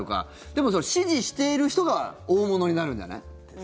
でも、支持している人が大物になるんじゃない？